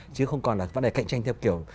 chứ không còn là vấn đề cạnh tranh theo kiểu